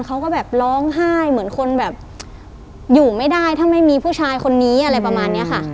เขาก็แบบร้องไห้เหมือนคนแบบอยู่ไม่ได้ถ้าไม่มีผู้ชายคนนี้อะไรประมาณนี้ค่ะ